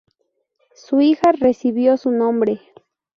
Su hija recibió su nombre.